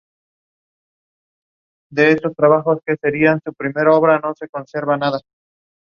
In the "Pathfinder Roleplaying Game", tieflings are commonly known by colloquial term Hellspawn.